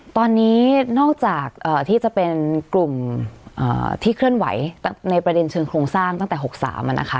ตอนนี้นอกจากที่จะเป็นกลุ่มที่เคลื่อนไหวในประเด็นเชิงโครงสร้างตั้งแต่๖๓นะคะ